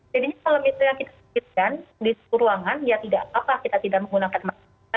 jadinya kalau misalnya kita sakitkan di ruangan ya tidak apa apa kita tidak menggunakan masker